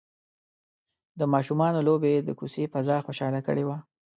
د ماشومانو لوبې د کوڅې فضا خوشحاله کړې وه.